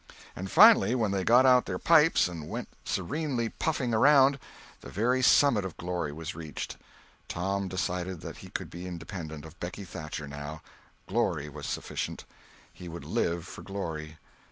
And finally, when they got out their pipes and went serenely puffing around, the very summit of glory was reached. Tom decided that he could be independent of Becky Thatcher now. Glory was sufficient. He would live for glory.